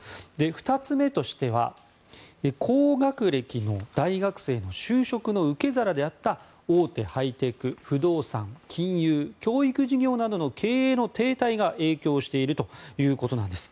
２つ目としては高学歴の大学生の就職の受け皿であった大手ハイテク、不動産金融、教育事業などの経営の停滞が影響しているということなんです。